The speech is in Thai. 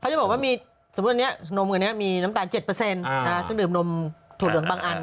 เขาจะบอกว่าสมมุตินี้นมเงินมีน้ำตาล๗ต้องดื่มนมถูกหลวงบางอัน